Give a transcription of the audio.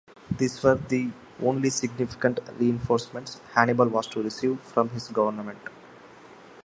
These were the only significant reinforcements Hannibal was to receive from his government.